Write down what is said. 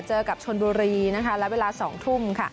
เจอกับชนบุรีและเวลา๒ทุ่ม